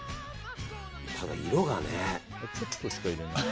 ただ、色がね。